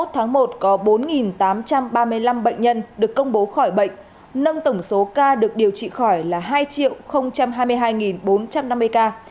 hai mươi tháng một có bốn tám trăm ba mươi năm bệnh nhân được công bố khỏi bệnh nâng tổng số ca được điều trị khỏi là hai hai mươi hai bốn trăm năm mươi ca